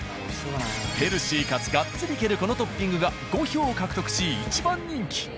ヘルシーかつガッツリいけるこのトッピングが５票獲得し１番人気。